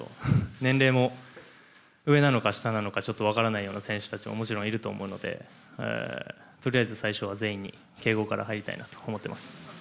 年齢も上なのか下なのかちょっと分からない選手たちももちろんいると思うのでとりあえず最初は全員に敬語から入りたいなと思っています。